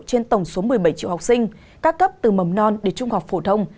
trên tổng số một mươi bảy triệu học sinh các cấp từ mầm non đến trung học phổ thông